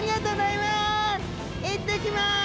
いってきます！